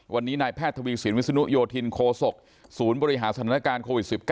วันนี้นายแพทย์ทวีสินวิศนุโยธินโคศกศูนย์บริหารสถานการณ์โควิด๑๙